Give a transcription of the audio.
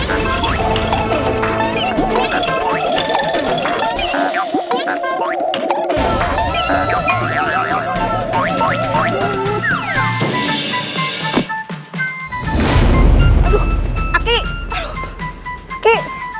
aduh aki aduh aki